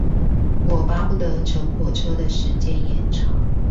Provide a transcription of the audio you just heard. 我巴不得乘火車的時間延長